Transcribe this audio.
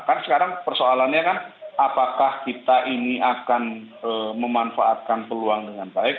kan sekarang persoalannya kan apakah kita ini akan memanfaatkan peluang dengan baik